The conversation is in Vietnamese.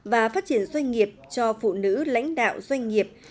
và phát triển doanh nghiệp cho phụ nữ lãnh đạo doanh nghiệp